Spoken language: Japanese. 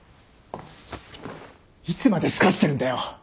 いつまでスカしてるんだよ！